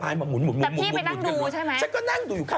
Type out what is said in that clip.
แล้วฉันก็ชอบจอดรถดูอ่ะ